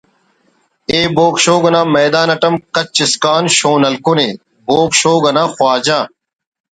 ئے بوگ شوگ نا میدان اٹ ہم کچ اسکان شون الکونے بوگ شوگ نا خواجہ